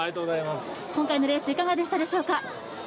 今回のレースいかがでしたでしょうか。